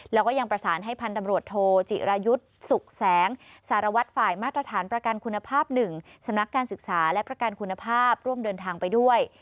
แล้วก็ยังประสานให้พันธบรวจโทจิรายุทธ์สุขแสงสารวัตรฝ่ายมาตรฐานประกันคุณภาพ๑สำนักการศึกษาและประกันคุณภาพร่วมเดินทางไปด้วย